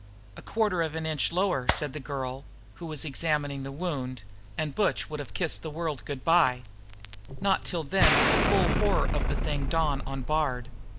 "A quarter of an inch lower," said the girl, who was examining the wound, "and Butch would have kissed the world good bye." Not till then did the full horror of the thing dawn on Bard.